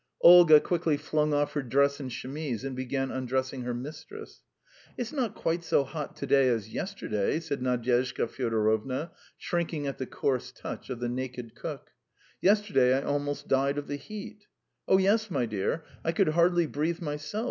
Olga quickly flung off her dress and chemise, and began undressing her mistress. "It's not quite so hot to day as yesterday?" said Nadyezhda Fyodorovna, shrinking at the coarse touch of the naked cook. "Yesterday I almost died of the heat." "Oh, yes, my dear; I could hardly breathe myself.